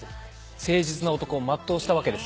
誠実な男を全うしたわけですよ。